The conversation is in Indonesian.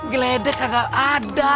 geledek kagak ada